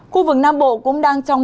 khu vực nam bộ cũng đang trong